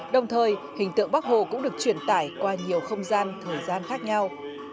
đồng thời hình tượng bắc hồ cũng được truyền tải qua nhiều không gian thời gian khác nhau